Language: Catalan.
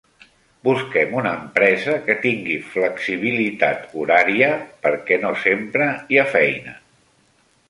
Busquem una empresa que tingui flexibilitat horària, perquè no sempre hi ha feina.